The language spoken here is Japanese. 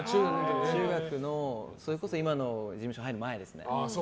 中学の、それこそ今の事務所入る前ですね。